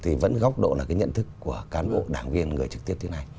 thì vẫn góc độ là cái nhận thức của cán bộ đảng viên người trực tiếp